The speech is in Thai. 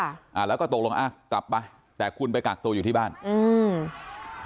อ่าแล้วก็ตกลงอ่ะกลับไปแต่คุณไปกักตัวอยู่ที่บ้านอืม